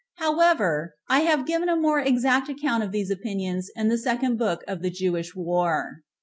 However, I have given a more exact account of these opinions in the second book of the Jewish War.